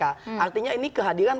artinya ini kehadiran